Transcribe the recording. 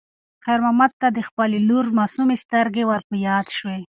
خیر محمد ته د خپلې لور معصومې سترګې ور په یاد شوې.